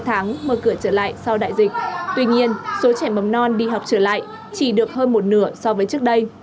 chúng tôi đã mở cửa trở lại sau đại dịch tuy nhiên số trẻ mầm non đi học trở lại chỉ được hơn một nửa so với trước đây